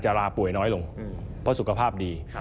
ราป่วยน้อยลงเพราะสุขภาพดี